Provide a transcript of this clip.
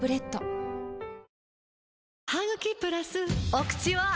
お口は！